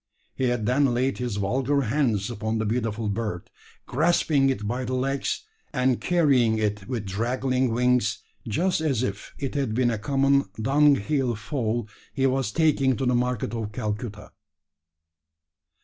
He had then laid his vulgar hands upon the beautiful bird, grasping it by the legs, and carrying it with draggling wings just as if it had been a common dunghill fowl he was taking to the market of Calcutta.